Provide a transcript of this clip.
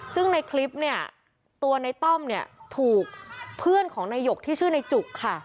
ซึ่งในคลิปเนี่ยตัวในต้อมเนี่ยถูกเพื่อนของนายหยกที่ชื่อในจุกค่ะ